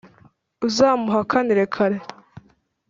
uzamuhakanire kare